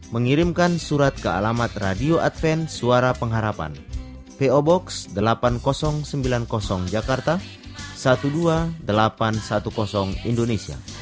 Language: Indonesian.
mengirimkan surat ke alamat radio advent suara pengharapan po box delapan ribu sembilan puluh jakarta dua belas ribu delapan ratus sepuluh indonesia